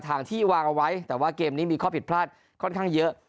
ทางที่วางเอาไว้แต่ว่าเกมนี้มีข้อผิดพลาดค่อนข้างเยอะ